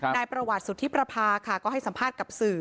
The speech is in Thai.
นายประวัติสุธิประพาค่ะก็ให้สัมภาษณ์กับสื่อ